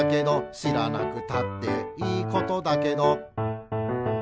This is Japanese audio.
「しらなくたっていいことだけど」